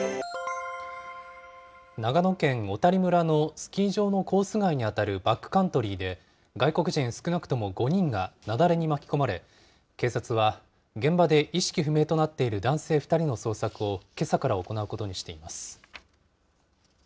長野県小谷村のスキー場のコース外に当たるバックカントリーで、外国人少なくとも５人が雪崩に巻き込まれ、警察は、現場で意識不明となっている男性２人の捜索をけさから行うことにしています。